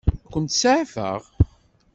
Ad kent-seɛfeɣ?